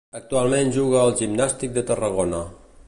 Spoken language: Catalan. Actualment juga al Gimnàstic de Tarragona.